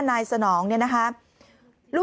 คุณผู้ชมฟังเสียงผู้หญิง๖ขวบโดนนะคะ